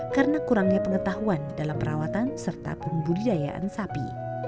karena kurangnya pengetahuan dalam perawatan serta pembudidayaan sapi